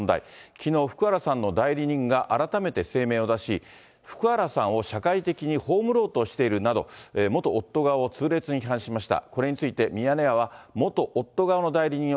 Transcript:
きのう、福原さんの代理人が改めて声明を出し、福原さんを社会的に葬ろうとしているなど、元夫側を痛烈に批判しました。